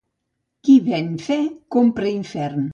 Qui ven fe compra infern.